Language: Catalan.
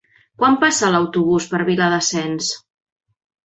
Quan passa l'autobús per Viladasens?